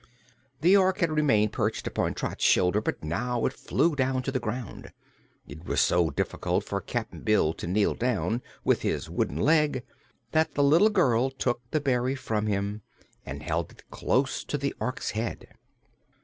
The Ork had remained perched upon Trot's shoulder but now it flew down to the ground. It was so difficult for Cap'n Bill to kneel down, with his wooden leg, that the little girl took the berry from him and held it close to the Ork's head.